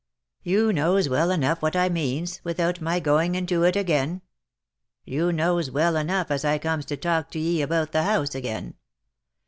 " You knows well enough what I means, without my going into it again ; you knows well enough as I comes to talk to ye about the house again.